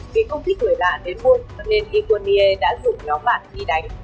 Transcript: khi công ty thuởi đạn đến muôn nên iconier đã rủ nhóm bạn đi đánh